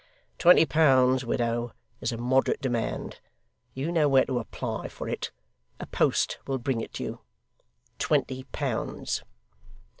Twenty pounds, widow, is a moderate demand. You know where to apply for it; a post will bring it you. Twenty pounds!